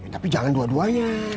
tapi jangan dua duanya